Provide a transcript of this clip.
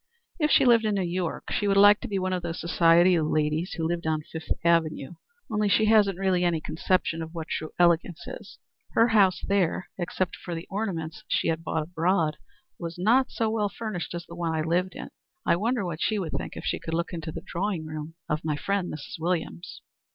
"If she lived in New York she would like to be one of those society ladies who live on Fifth Avenue; only she hasn't really any conception of what true elegance is. Her house there, except for the ornaments she had bought abroad, was not so well furnished as the one I lived in. I wonder what she would think if she could look into the drawing room of my friend Mrs. Williams."